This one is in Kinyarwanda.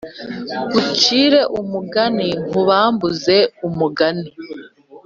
Ngucire umugani nkubambuze umugani